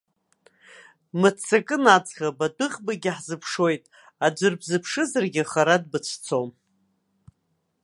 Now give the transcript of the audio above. Бымццакын аӡӷаб, адәыӷбагьы ҳзыԥшуеит, аӡәыр бзыԥшызаргьы хара дбыцәцом.